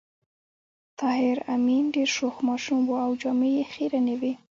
طاهر آمین ډېر شوخ ماشوم و او جامې یې خيرنې وې